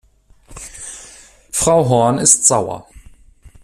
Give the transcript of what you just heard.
Frau Horn ist sauer.